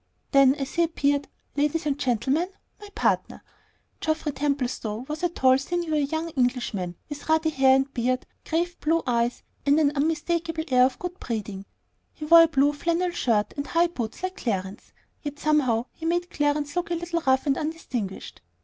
Then, as he appeared, "Ladies and gentleman, my partner!" Geoffrey Templestowe was a tall, sinewy young Englishman, with ruddy hair and beard, grave blue eyes, and an unmistakable air of good breeding. He wore a blue flannel shirt and high boots like Clarence's, yet somehow he made Clarence look a little rough and undistinguished.